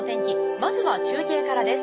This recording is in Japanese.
まずは中継からです。